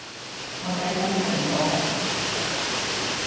我睇到蘋果